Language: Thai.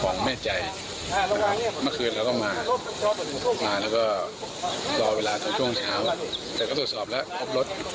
ค่ะหรือว่าคนฟังแสงไปแบบอาการศัพท์